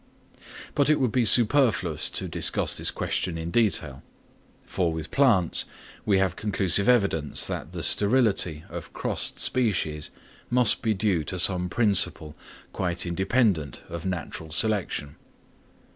But it would be superfluous to discuss this question in detail: for with plants we have conclusive evidence that the sterility of crossed species must be due to some principle, quite independent of natural selection.